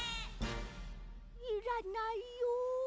いらないよ。